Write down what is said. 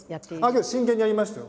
けど真剣にやりましたよ